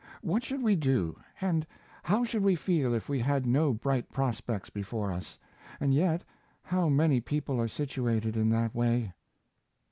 What should we do and how should we feel if we had no bright prospects before us, and yet how many people are situated in that way?